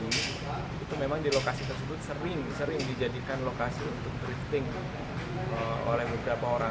itu memang di lokasi tersebut sering sering dijadikan lokasi untuk drifting oleh beberapa orang